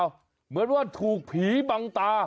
เหมือนว่าถูกผีบังตา